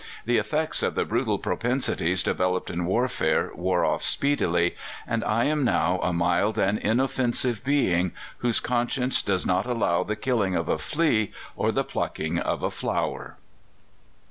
The effects of the brutal propensities developed in warfare wore off speedily, and I am now a mild and inoffensive being, whose conscience does not allow the killing of a flea or the plucking of a flower!"